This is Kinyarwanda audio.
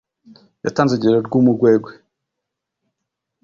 Yatanze urugero rw’umugwegwe